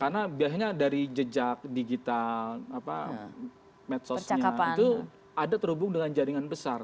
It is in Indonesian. karena biasanya dari jejak digital metosnya itu ada terhubung dengan jaringan besar